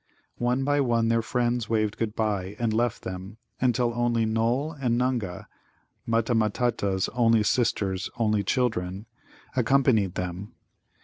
One by one their friends waved good bye and left them, until only Noll and Nunga (Mutta matutta's only sister's only children) accompanied them.